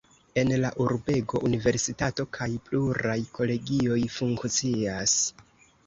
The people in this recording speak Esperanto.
En la urbego universitato kaj pluraj kolegioj funkcias.